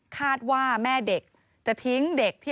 คาดว่าแม่เด็กจะทิ้งเด็กที่